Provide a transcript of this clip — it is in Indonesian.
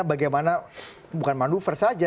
bagaimana bukan manuver saja